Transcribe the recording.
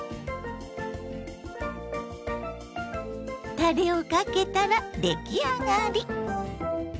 たれをかけたら出来上がり！